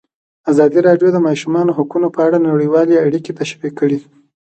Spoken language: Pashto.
ازادي راډیو د د ماشومانو حقونه په اړه نړیوالې اړیکې تشریح کړي.